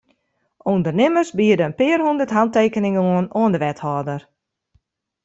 Undernimmers biede in pear hûndert hantekeningen oan oan de wethâlder.